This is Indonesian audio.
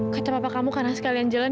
kata bapak kamu karena sekalian jalan